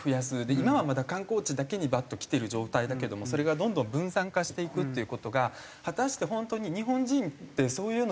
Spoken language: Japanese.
今はまだ観光地だけにバッと来てる状態だけどもそれがどんどん分散化していくっていう事が果たしてホントに日本人ってそういうのに向いてるんかなって。